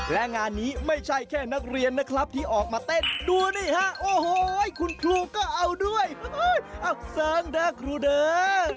และงานนี้ไม่ใช่แค่นักเรียนนะครับที่ออกมาเต้นดูนี่ฮะโอ้โหคุณครูก็เอาด้วยเสิร์งเด้อครูเด้อ